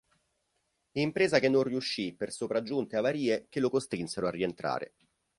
Impresa che non riuscì per sopraggiunte avarie che lo costrinsero a rientrare.